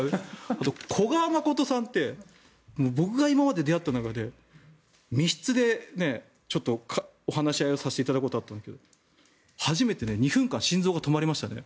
古賀誠さんって僕が今まで出会った中で密室でちょっとお話し合いをさせていただくことがあったんですが初めて２分間心臓が止まりましたね。